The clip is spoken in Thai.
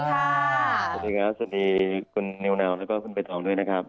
สวัสดีครับสวัสดีคุณนิวนาวแล้วก็คุณเบนองด้วยนะครับ